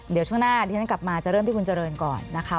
เดี๋ยวช่วงหน้าดิฉันกลับมาจะเริ่มที่คุณเจริญก่อนนะคะ